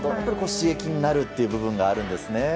刺激になるという部分があるんですね。